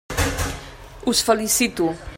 Us felicito.